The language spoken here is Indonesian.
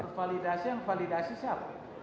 tervalidasi yang validasi siapa